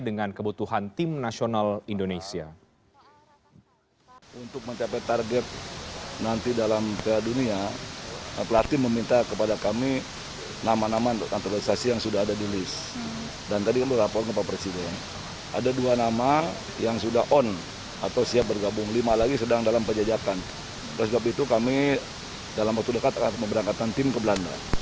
dengan kebutuhan tim nasional indonesia